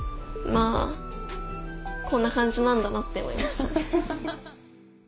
まあこんな感じなんだなって思いましたね。